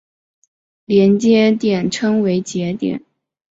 连接点称为节点。